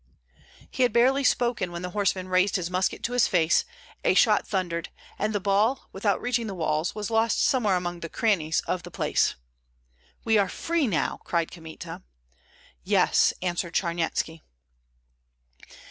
He had barely spoken when the horseman raised his musket to his face; a shot thundered, and the ball, without reaching the walls, was lost somewhere among the crannies of the place. "We are free now!" cried Kmita. "Yes," answered Charnyetski.